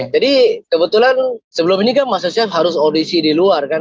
jadi kebetulan sebelum ini kan masterchef harus audisi di luar kan